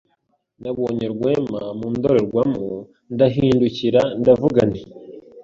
Nabonye Rwema mu ndorerwamo ndahindukira ndavuga nti.